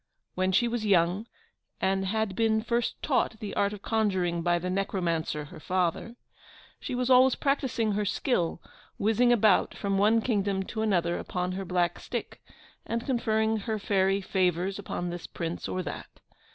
When she was young, and had been first taught the art of conjuring by the necromancer, her father, she was always practicing her skill, whizzing about from one kingdom to another upon her black stick, and conferring her fairy favours upon this Prince or that.